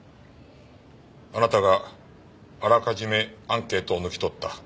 あなたがあらかじめアンケートを抜き取った。